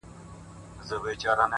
زور د زورور پاچا- ماته پر سجده پرېووت-